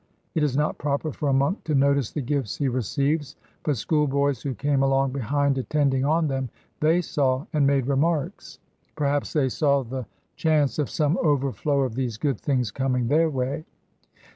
It is not proper for a monk to notice the gifts he receives; but schoolboys who came along behind attending on them, they saw and made remarks. Perhaps they saw the chance of some overflow of these good things coming their way.